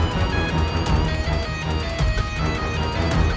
vorher perlukunya diserikapkan